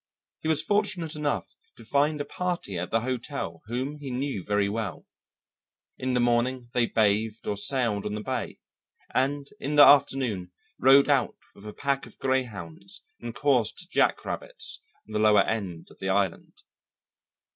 He was fortunate enough to find a party at the hotel whom he knew very well. In the morning they bathed or sailed on the bay, and in the afternoon rode out with a pack of greyhounds and coursed jack rabbits on the lower end of the island.